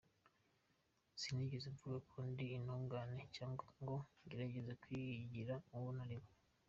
Sinigeze mvuga ko ndi intungane, cyangwa ngo ngerageza kwigira uwo ntari we.